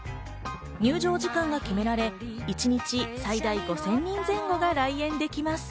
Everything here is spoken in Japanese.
入場時間が決められ、一日最大５０００人前後が来園できます。